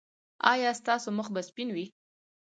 ایا ستاسو مخ به سپین وي؟